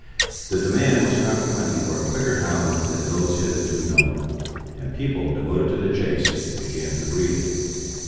The demand was consequently for a quicker hound than those hitherto known, and people devoted to the chase began to breed it.